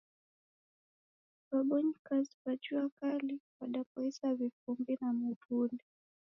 Wabonyikazi wa juakali wadapoisa vifumbi na mawuli.